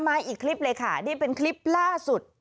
อีกคลิปเลยค่ะนี่เป็นคลิปล่าสุด